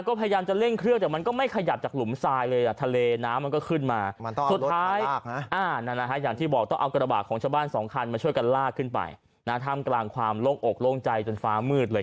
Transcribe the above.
ก็พยายามจะเล่นเครื่องแต่ไม่ขยับจากหลุมซายเลย